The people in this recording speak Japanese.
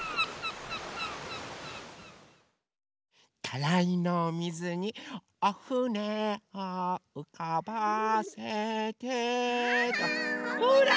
たらいのおみずに「おふねをうかばせて」ほら！